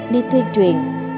đi tuyên truyền